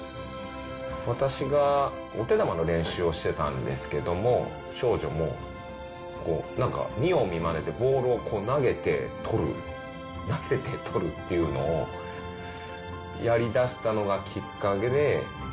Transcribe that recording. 私がお手玉の練習をしてたんですけれども、長女もなんか、見よう見まねでボールを投げてとる、投げてとるというのをやりだしたのがきっかけで。